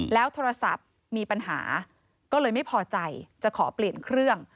แล้วโทรศัพท์มีปัญหาก็เลยไม่พอใจจะขอเปลี่ยนเครื่อง